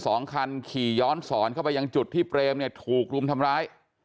มีจักรยานยนต์๒คันขี่ย้อนศรเข้าไปยังจุดที่เบรมเนี่ยถูกรุมทำร้าย